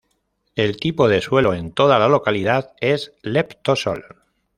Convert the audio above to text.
El tipo de suelo en toda la localidad es leptosol.